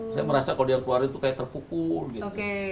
saya merasa kalau dia keluarin tuh kayak terpukul gitu